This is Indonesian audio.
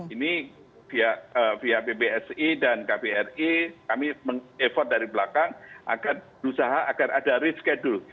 ini via bbsi dan kpri kami mengevorkan dari belakang agar ada reschedule